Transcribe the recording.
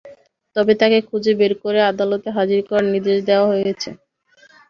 তবে তাঁকে খুঁজে বের করে আদালতে হাজির করার নির্দেশ দেওয়া হয়েছে।